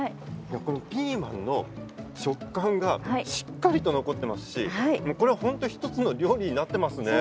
ピーマンの食感がしっかりと残っていますしこれは本当１つの料理になっていますね。